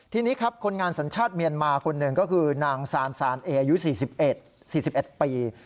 ทีนี้ครับคนงานสัญชาติเมียนมาคนหนึ่งก็คือนางซานซานเออายุ๔๑๔๑ปี